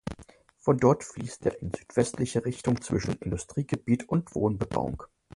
Von dort fließt er in südwestliche Richtung zwischen Industriegebiet und Wohnbebauung.